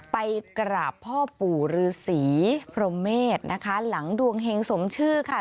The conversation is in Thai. ไปกราบพ่อปู่รือสีโพรเมธนะคะหลังดวงเห็งสมชื่อค่ะ